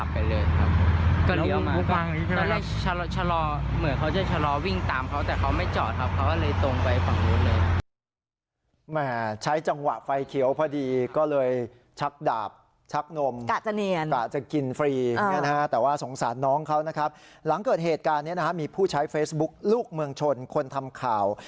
ผมขาดทุนไปฝั่งนู้นเลยนะ